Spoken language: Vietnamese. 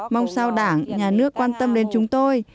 mong sao đảng nhà nước quan tâm đến chúng tôi